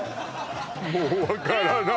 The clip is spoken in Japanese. もう分からない